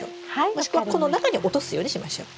もしくはこの中に落とすようにしましょう。